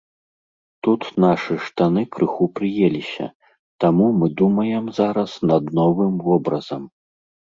Тут нашы штаны крыху прыеліся, таму мы думаем зараз над новым вобразам.